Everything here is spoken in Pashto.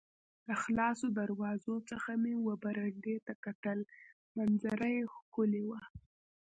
له خلاصو دروازو څخه مې وه برنډې ته کتل، منظره یې ښکلې وه.